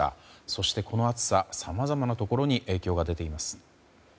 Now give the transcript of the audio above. そして、この暑ささまざまなところに影響が出ています。